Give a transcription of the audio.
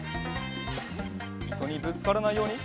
いとにぶつからないように。